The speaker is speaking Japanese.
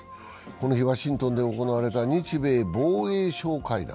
この日、ワシントンで行われた日米防衛相会談。